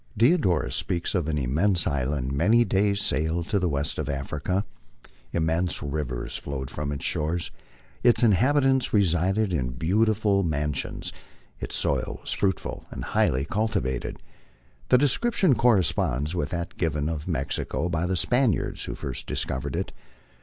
Diodo rus speaks of an immense island many days' sail to the west of Africa ; im mense rivers flowed from its shores ; its inhabitants resided in beautiful man sions ; its soil was fruitful and highly cultivated. The description corresponds with that given of Mexico by the Spaniards who first discovered it.